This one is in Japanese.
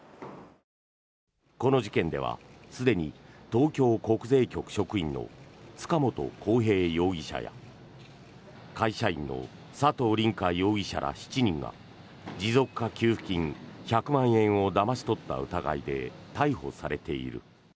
この事件ではすでに東京国税局職員の塚本晃平容疑者や会社員の佐藤凛果容疑者ら７人が持続化給付金１００万円をだまし取った疑いで逮捕されている。